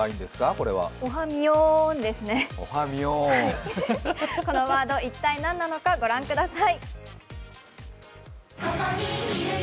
このワード、一体何なのか御覧ください。